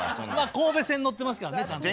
神戸線乗ってますからねちゃんとね。